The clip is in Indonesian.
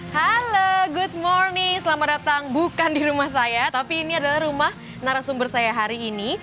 halo good morning selamat datang bukan di rumah saya tapi ini adalah rumah narasumber saya hari ini